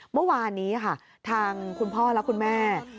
เมื่อวานนี้ค่ะทางคุณพ่อและคุณแม่